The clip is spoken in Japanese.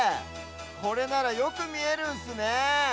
これならよくみえるんすねえ。